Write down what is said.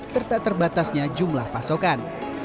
serta terbatasnya jumlah pasokan